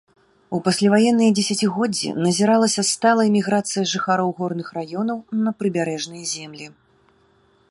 У пасляваенныя дзесяцігоддзі назіралася сталая міграцыя жыхароў горных раёнаў на прыбярэжныя землі.